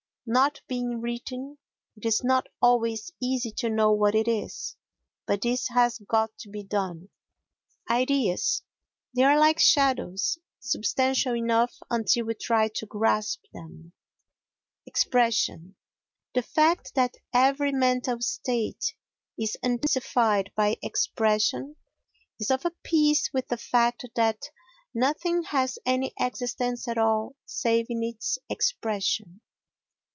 Not being written, it is not always easy to know what it is, but this has got to be done. Ideas They are like shadows—substantial enough until we try to grasp them. Expression The fact that every mental state is intensified by expression is of a piece with the fact that nothing has any existence at all save in its expression.